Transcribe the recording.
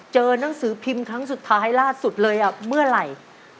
หนังสือพิมพ์ครั้งสุดท้ายล่าสุดเลยเมื่อไหร่